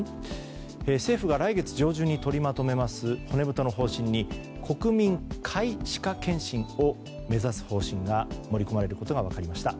政府が来月上旬に取りまとめます骨太の方針に国民皆歯科検診を目指す方針が盛り込まれることが分かりました。